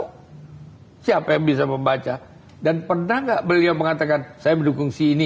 hai siapa yang bisa membaca dan pernah enggak beliau mengatakan saya mendukung sini